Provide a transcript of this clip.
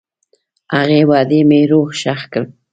هغې وعدې مې روح ښخ کړ.